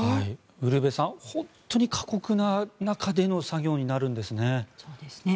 ウルヴェさん本当に過酷な中での作業になるんですね。